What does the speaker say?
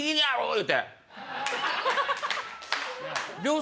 言うて。